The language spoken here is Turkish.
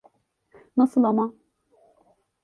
Nasıl ama?